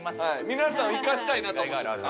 皆さんを生かしたいなと思ってます。